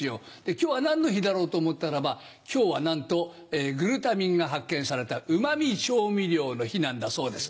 「今日は何の日だろう？」と思ったらば今日はなんとグルタミンが発見された「うま味調味料の日」なんだそうです。